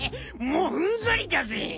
もううんざりだぜ！